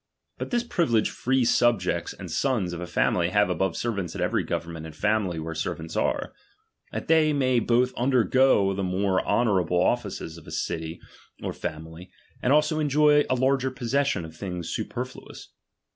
But this privilege '^ree subjects and sons of a family have above ser "^^ants in every government and family where ser "*^ants are ; that they may both undergo the more ^^onourable offices of the city or family, and also ^ujoy a larger possession of things superfluous.